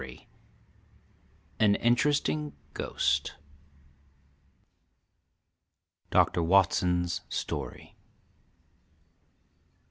AN INTERESTING GHOST. [DR. WATSON'S STORY.